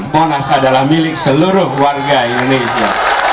monas adalah milik seluruh warga indonesia